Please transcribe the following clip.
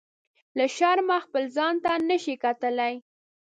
له شرمه خپل ځان ته نه شي کتلی.